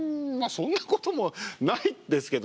そんなこともないですけどね。